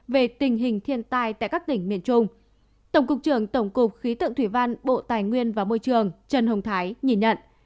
về tình hình thiên tai tại các tỉnh miền trung tổng cục trưởng tổng cục khí tượng thủy văn bộ tài nguyên và môi trường trần hồng thái nhìn nhận